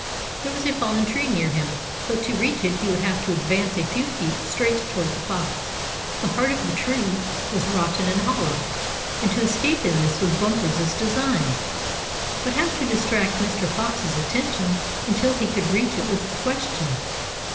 There was a fallen tree near him, but to reach it he would have to advance a few feet straight toward the fox. The heart of the tree was rotten and hollow, and to escape in this was Bumper's design. But how to distract Mr. Fox's attention until he could reach it was the question.